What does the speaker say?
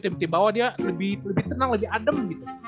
tim tim bawah dia lebih tenang lebih adem gitu